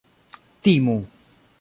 timu